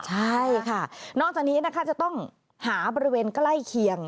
ใช่ค่ะนอกจากนี้นะคะจะต้องหาบริเวณใกล้เคียง